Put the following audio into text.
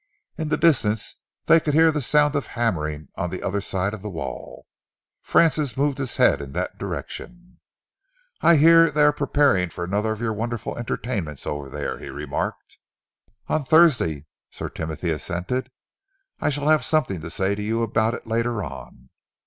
In the distance they could hear the sound of hammering on the other side of the wall. Francis moved his head in that direction. "I hear that they are preparing for another of your wonderful entertainments over there," he remarked. "On Thursday," Sir Timothy assented. "I shall have something to say to you about it later on."